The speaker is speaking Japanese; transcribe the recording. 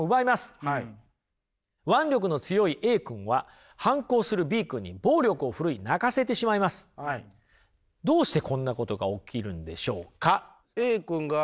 腕力の強いＡ君は反抗するＢ君に暴力を振るい泣かせてしまいます。どうしてこんなことが起きるんでしょうか！